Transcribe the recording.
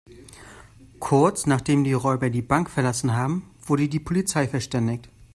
Kurz, nachdem die Räuber die Bank verlassen haben, wurde die Polizei verständigt.